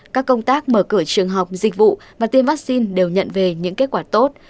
các công tác mở cửa trường học dịch vụ và tiêm vaccine đều nhận về những kết quả tốt